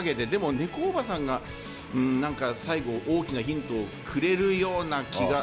猫おばさんが最後に大きなヒントをくれるような気が。